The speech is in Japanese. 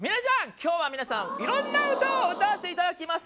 今日は皆さんいろんな歌を歌わせていただきます